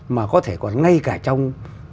mà có thể còn ngay cả trong